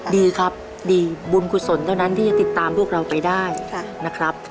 ดีครับดีบุญกุศลเท่านั้นที่จะติดตามพวกเราไปได้นะครับ